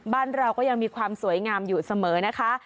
บ้านเราก็ยังมีความสวยงามอยู่เสมอนะคะ